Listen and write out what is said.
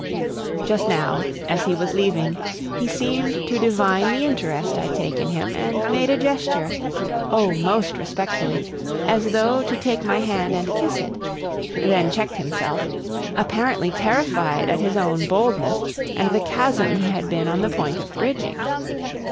Just now, as he was leaving, he seemed to divine the interest I take in him, and made a gesture oh! most respectfully as though to take my hand and kiss it; then checked himself, apparently terrified at his own boldness and the chasm he had been on the point of bridging.